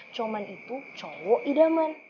coman itu cowok idaman